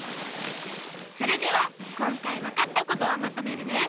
それではこんかいわかったことをまとめるね！